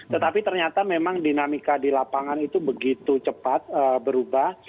tetapi ternyata memang dinamika di lapangan itu begitu cepat berubah